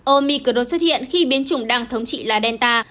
omicron xuất hiện khi biến chủng đang thống trị là delta